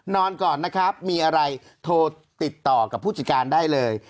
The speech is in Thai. นอนก่อนนะครับมีอะไรโทรติดต่อกับผู้จัดการได้เลย